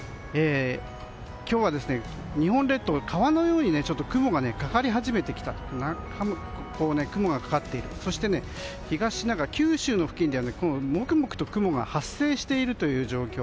今日は日本列島、川のように雲がかかり始めてきてそして九州の付近ではもくもくと雲が発生しているという状況。